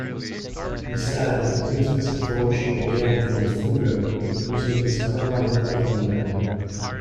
Nissan used this approach again for the Fuga, using the Skyline platform again.